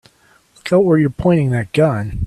Look out where you're pointing that gun!